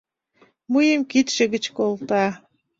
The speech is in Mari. Мыйым кидше гыч колта.